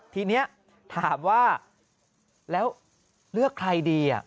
ทีนี้ถามว่าแล้วเลือกใครดี